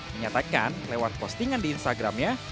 menyatakan lewat postingan di instagramnya